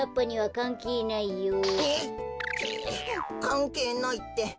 「かんけいない」って。